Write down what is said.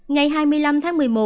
ngày hai mươi năm tháng một mươi một